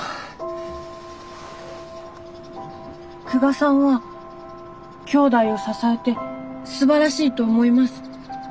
久我さんはきょうだいを支えてすばらしいと思います。